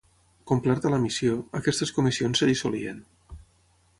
Complerta la missió, aquestes comissions es dissolien.